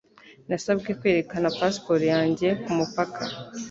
Nasabwe kwerekana pasiporo yanjye kumupaka.